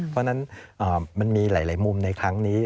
เพราะฉะนั้นมันมีหลายมุมในครั้งนี้